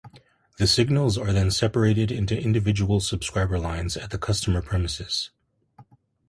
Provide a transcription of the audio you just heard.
The signals are then separated into individual subscriber lines at the customer premises.